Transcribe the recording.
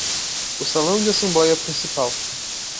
O salão de assembléia principal